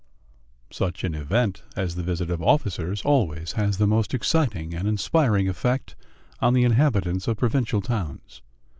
Such an event as the visit of officers always has the most exciting and inspiring effect on the inhabitants of provincial towns.